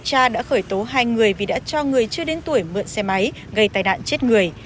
tra đã khởi tố hai người vì đã cho người chưa đến tuổi mượn xe máy gây tai nạn chết người